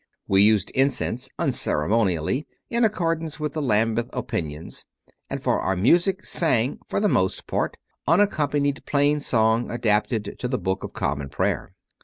We used incense unceremonially, in accordance with the Lambeth "opinions," and for our music sang, for the most part, unaccompanied plain song adapted to the Book of Common Prayer.